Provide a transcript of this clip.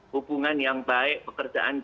hubungan yang baik pekerjaan